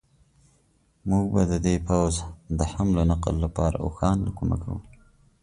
موږ به د دې پوځ د حمل و نقل لپاره اوښان له کومه کوو.